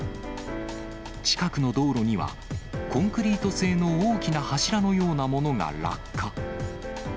近くの道路には、コンクリート製の大きな柱のようなものが落下。